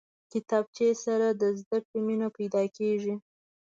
کتابچه سره د زده کړې مینه پیدا کېږي